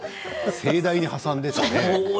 盛大に挟んでいましたね。